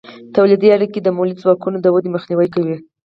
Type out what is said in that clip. تولیدي اړیکې د مؤلده ځواکونو د ودې مخنیوی کوي.